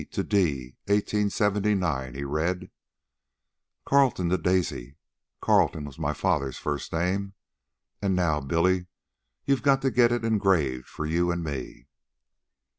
"C to D, 1879," he read. "Carlton to Daisy Carlton was my father's first name. And now, Billy, you've got to get it engraved for you and me."